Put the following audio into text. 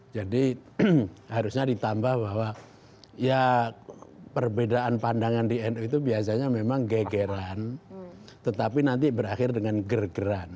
jadi harusnya ditambah bahwa ya perbedaan pandangan di nu itu biasanya memang gegeran tetapi nanti berakhir dengan gergeran